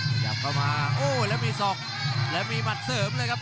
ขยับเข้ามาโอ้แล้วมีศอกแล้วมีหมัดเสริมเลยครับ